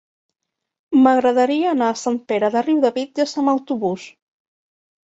M'agradaria anar a Sant Pere de Riudebitlles amb autobús.